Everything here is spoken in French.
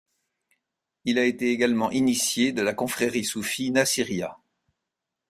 Il a été également initié de la confrérie soufie Naciria.